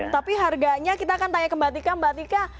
tapi harganya kita akan tanya ke mbak tika